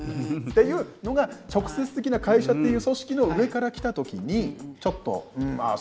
っていうのが直接的な会社っていう組織の上から来た時にちょっとうんまあ